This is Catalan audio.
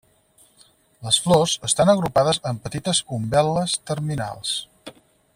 Les flors estan agrupades en petites umbel·les terminals.